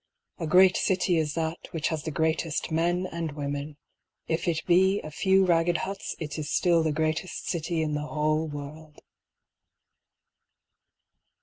A great city is that which has the greatest men and women, If it be a few ragged huts it is still the greatest city in the whole world.